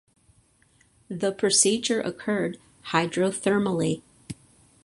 The procedure occurred hydrothermally.